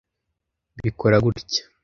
bikora gutya.